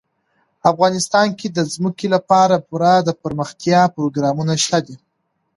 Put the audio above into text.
افغانستان کې د ځمکه لپاره پوره دپرمختیا پروګرامونه شته دي.